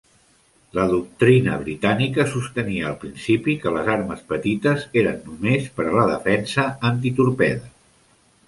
La doctrina britànica sostenia al principi que les armes petites eren només per a la defensa antitorpede.